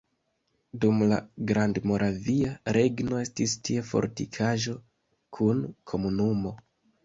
Dum la Grandmoravia Regno estis tie fortikaĵo kun komunumo.